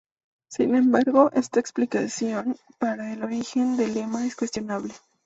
Sin embargo, esta explicación para el origen del lema es cuestionable.